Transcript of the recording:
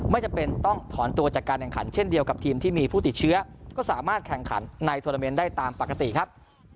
ไม่จำเป็นต้องถอนตัวจากการแข่งขันเช่นเดียวกับทีมที่มีผู้ติดเชื้อก็สามารถแข่งขันในโทรเมนต์ได้ตามปกติครับ